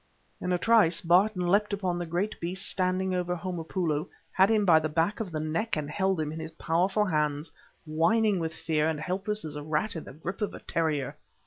In a trice Barton leapt upon the great beast standing over Homopoulo, had him by the back of the neck and held him in his powerful hands whining with fear and helpless as a rat in the grip of a terrier.